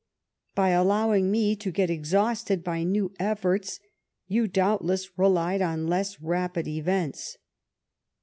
"By allowing me to get cxliausted by new ctToits, you doubtless relied on less rapid events.